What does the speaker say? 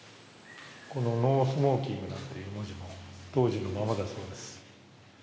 ノースモーキングなんていう文字も当時のままだそうです。